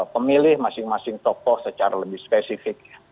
pemilih masing masing tokoh secara lebih spesifik